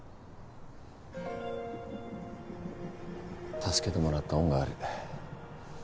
助けてもらった恩がある。